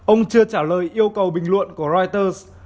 ông chưa trả lời yêu cầu bình luận của reuters